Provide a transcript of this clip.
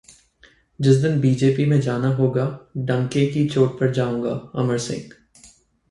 जिस दिन बीजेपी में जाना होगा, डंके की चोट पर जाऊंगा: अमर सिंह